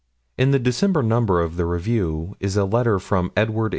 In the December number of the Review is a letter from Edward M.